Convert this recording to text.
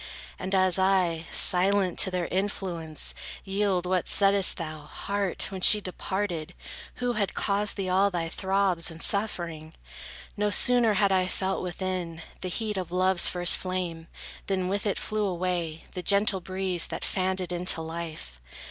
And as I, silent, to their influence yield, What saidst thou, heart, when she departed, who Had caused thee all thy throbs, and suffering? No sooner had I felt within, the heat Of love's first flame, than with it flew away The gentle breeze, that fanned it into life.